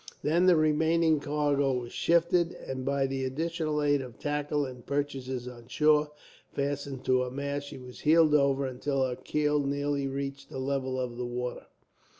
Then the remaining cargo was shifted, and by the additional aid of tackle and purchases on shore fastened to her masts, she was heeled over until her keel nearly reached the level of the water.